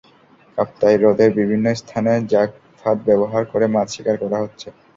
কাপ্তাই হ্রদের বিভিন্ন স্থানে জাগ ফাঁদ ব্যবহার করে মাছ শিকার করা হচ্ছে।